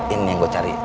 ini yang gue cari